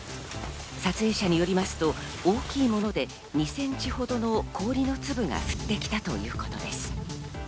撮影者によりますと、大きいもので２センチほどの氷の粒が降ってきたということです。